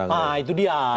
nah itu dia